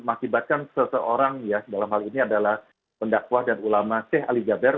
mengakibatkan seseorang ya dalam hal ini adalah pendakwah dan ulama sheikh ali jaber